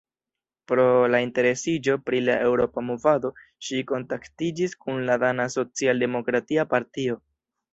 Pro la interesiĝo pri la eŭropa movado ŝi kontaktiĝis kun la dana socialdemokratia partio.